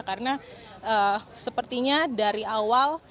karena sepertinya dari awal